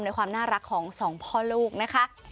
ในความน่ารักของสองพ่อลูกนะคะ